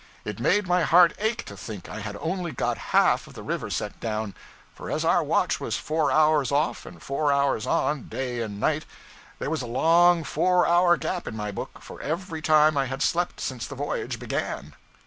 It made my heart ache to think I had only got half of the river set down; for as our watch was four hours off and four hours on, day and night, there was a long four hour gap in my book for every time I had slept since the voyage began.